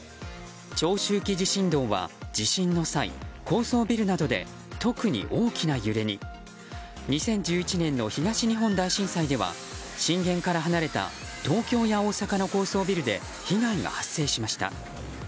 長周期地震動は地震の際高層ビルなどで特に大きな揺れに２０１１年の東日本大震災では震源から離れた東京や大阪の高層ビルで被害が発生しました。